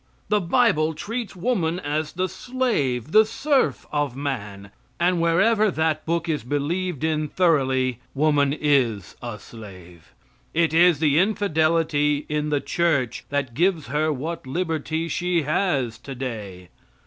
The bible treats woman as the slave, the serf of man, and wherever that book is believed in thoroughly woman is a slave. It is the infidelity in the church that gives her what liberty she has today.